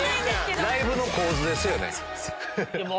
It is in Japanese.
ライブの構図ですよね。